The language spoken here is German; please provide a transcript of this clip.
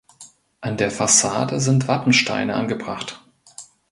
An der Fassade sind Wappensteine angebracht.